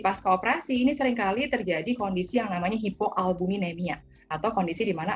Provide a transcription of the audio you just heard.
pas keoperasi ini seringkali terjadi kondisi yang namanya hipoalbuminemia atau kondisi dimana